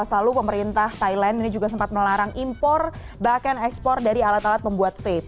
dua ribu empat belas lalu pemerintah thailand ini juga sempat melarang impor bahkan ekspor dari alat alat membuat vape